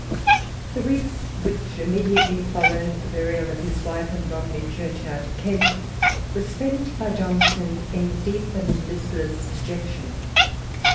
The weeks which immediately followed the burial of his wife in Bromley Churchyard, Kent, were spent by Johnson in deep and listless dejection.